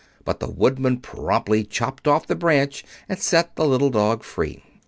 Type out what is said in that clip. But the Woodman promptly chopped off the branch and set the little dog free.